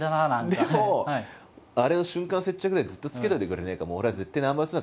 でも「あれを瞬間接着剤でずっとつけといてくれねえか。